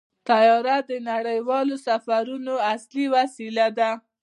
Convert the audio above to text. طیاره د نړیوالو سفرونو اصلي وسیله ده.